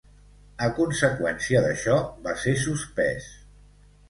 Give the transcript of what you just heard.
A conseqüència d'això va ser suspès.